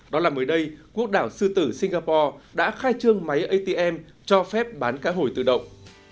đó là mới đây quốc đảo sư tử singapore đã khai trương máy atm cho phép bán cá hồi tự động